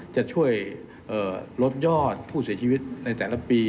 จะช่วยลดยอดผู้เสียชีวิตในแต่ละปี